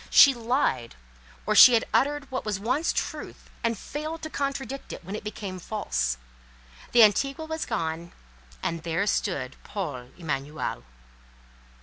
She lied, or she had uttered what was once truth, and failed to contradict it when it became false. The Antigua was gone, and there stood Paul Emanuel.